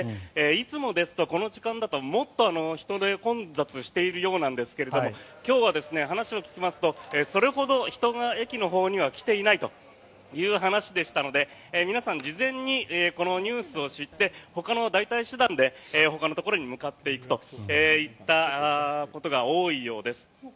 いつもですとこの時間ですともっと人で混雑しているようなんですが今日は話を聞きますとそれほど人が駅のほうには来ていないという話でしたので皆さん事前にこのニュースを知ってほかの代替手段でほかのところに向かっていくといったことが多いようです。